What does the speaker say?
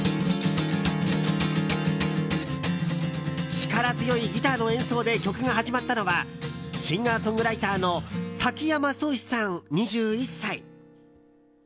力強いギターの演奏で曲が始まったのはシンガーソングライターの崎山蒼志さん、２１歳。